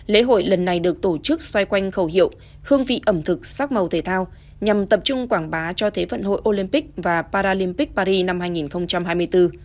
lễ hội lần này được tổ chức xoay quanh khẩu hiệu hương vị ẩm thực sắc màu thể thao nhằm tập trung quảng bá cho thế vận hội olympic và paralympic paris năm hai nghìn hai mươi bốn